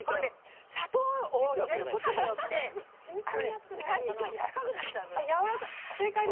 砂糖を入れることによって豚肉がやわらかくなっちゃうのよ。